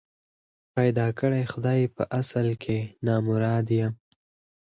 پيدا کړی خدای په اصل کي نامراد یم